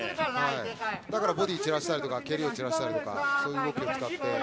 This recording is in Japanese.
だからボディーに散らしたりとか蹴りを散らしたりとかそういう動きを使って。